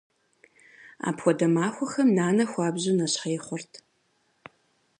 Апхуэдэ махуэхэм нанэ хуабжьу нэщхъей хъурт.